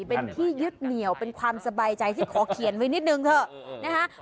เป็นที่ยึดเหนียวเป็นความสบายใจที่ขอเขียนไว้นิดนึงเถอะนะคะ